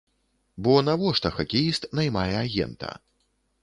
Бо навошта хакеіст наймае агента?